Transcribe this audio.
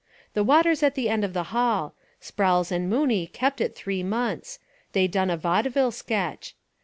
The water's at the end of the hall. Sprowls and Mooney kept it three months. They done a vaudeville sketch.